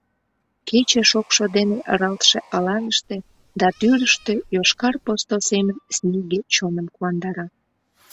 Кече шокшо дене ыралтше аланыште да тӱрыштӧ йошкар посто семын снеге чоным куандара.